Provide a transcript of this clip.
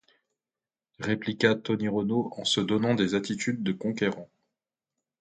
répliqua Tony Renault en se donnant des attitudes de conquérant.